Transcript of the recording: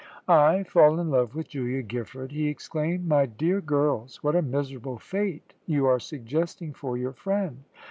"I fall in love with Julia Giffard!" he exclaimed. "My dear girls, what a miserable fate you are suggesting for your friend.